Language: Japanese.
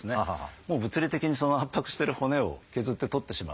物理的に圧迫してる骨を削って取ってしまう。